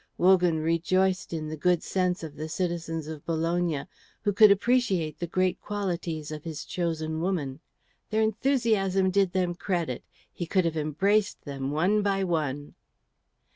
Wogan rejoiced in the good sense of the citizens of Bologna who could appreciate the great qualities of his chosen woman. Their enthusiasm did them credit; he could have embraced them one by one.